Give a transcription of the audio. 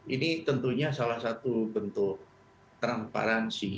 ini tentunya salah satu bentuk transparansi